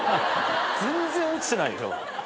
全然落ちてないよ。